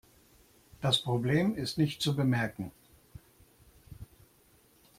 Das Problem ist nicht zu bemerken.